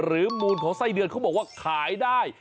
มูลของไส้เดือนเขาบอกว่าขายได้